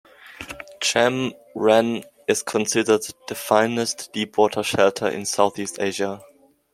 Cam Ranh is considered the finest deepwater shelter in Southeast Asia.